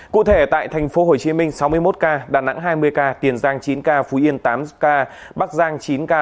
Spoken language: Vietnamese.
cụ thể tại tp hcm sáu mươi một ca đà nẵng hai mươi ca tiền giang chín ca phú yên tám ca bắc giang chín ca